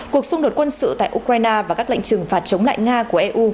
cuộc xung đột quân sự tại ukraine và các lệnh trừng phạt chống lại nga của eu